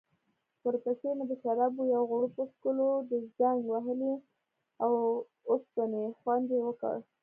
ورپسې مې د شرابو یو غوړپ وڅکلو، د زنګ وهلې اوسپنې خوند يې وکړ.